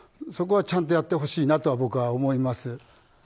そこはちゃんとやってほしいなと思います。